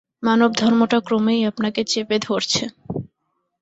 মানবধর্মটা ক্রমেই আপনাকে চেপে ধরছে!